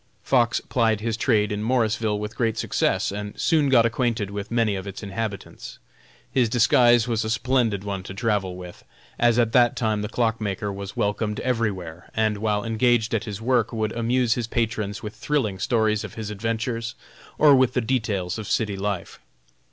Fox plied his trade in Morrisville with great success, and soon got acquainted with many of its inhabitants. His disguise was a splendid one to travel with, as at that time the clock maker was welcomed everywhere, and while engaged at his work would amuse his patrons with thrilling stories of his adventures, or with the details of city life.